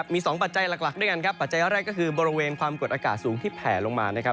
มี๒ปัจจัยหลักด้วยกันครับปัจจัยแรกก็คือบริเวณความกดอากาศสูงที่แผ่ลงมานะครับ